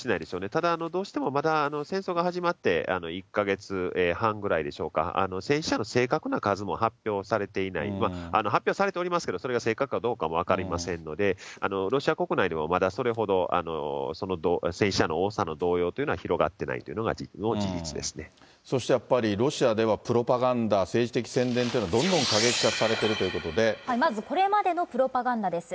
ただ、どうしてもまだ戦争が始まって１か月半ぐらいでしょうか、戦死者の正確な数も発表されていない、発表されておりますけどそれが正確はどうかも分かりませんので、ロシア国内でもまだそれほど、その戦死者の多さの動揺というのは、広がってないというのが、事そしてやっぱりロシアではプロパガンダ、政治的宣伝というのは、どんどん過激化されているとまず、これまでのプロパガンダです。